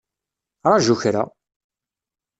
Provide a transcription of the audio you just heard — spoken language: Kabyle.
Ṛaju kra!